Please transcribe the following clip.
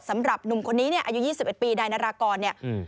สำหรับหนุ่มคนนี้เนี่ยอายุ๒๑ปีนายนารากรเนี่ย